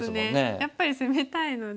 やっぱり攻めたいので。